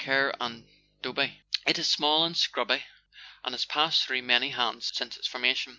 Kerr and Dobie. It is small and scrubby, and has passed through many hands since its formation.